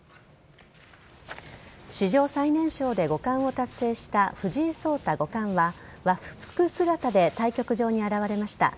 史上最年少で五冠を達成した藤井聡太五冠は和服姿で対局場に現れました。